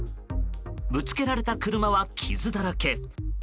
ぶつけられた車は傷だらけ。